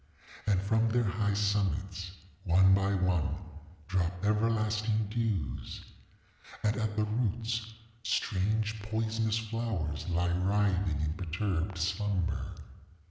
And from their high summits, one by one, drop everlasting dews. And at the roots strange poisonous flowers lie writhing in perturbed slumber.